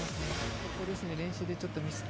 ここですね、練習でちょっとミスった。